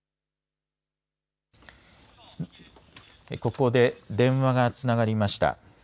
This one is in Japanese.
ここで電話がつながりました。